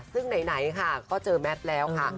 ซึ่งไหนค่ะก็เจอแมทแล้วค่ะ